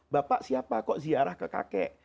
bapak siapa kok ziarah ke kakek